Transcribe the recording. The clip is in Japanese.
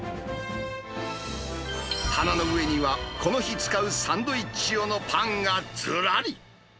棚の上には、この日使うサンドイッチ用のパンがずらり。